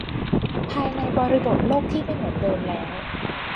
ภายในบริบทโลกที่ไม่เหมือนเดิมแล้ว